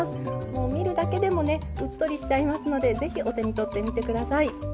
もう見るだけでもねうっとりしちゃいますので是非お手に取ってみて下さい。